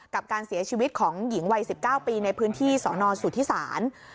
กับการเสียชีวิตของหญิงวัย๑๙ปีในพื้นที่สนสุธิศาล